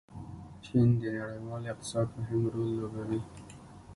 چین د نړیوال اقتصاد مهم رول لوبوي.